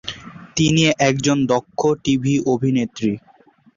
তিনি একজন দক্ষ টিভি অভিনেত্রী।